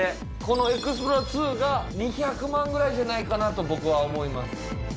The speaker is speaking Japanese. このエクスプローラーⅡが２００万ぐらいじゃないかなと僕は思います。